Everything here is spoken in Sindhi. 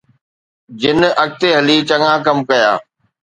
جن اڳتي هلي چڱا ڪم ڪيا.